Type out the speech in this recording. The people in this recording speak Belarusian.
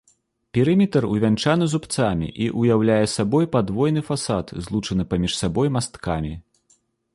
Перыметр увянчаны зубцамі і ўяўляе сабой падвойны фасад, злучаны паміж сабой масткамі.